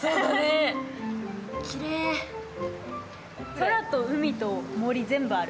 空と海と森、全部ある。